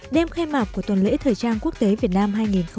đêm khai mạc của tuần lễ thời trang quốc tế việt nam hai nghìn một mươi sáu